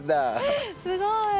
すごい！